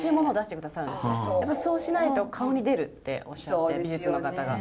そうしないと顔に出るっておっしゃって美術の方が。